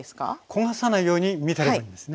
焦がさないように見てればいいんですね。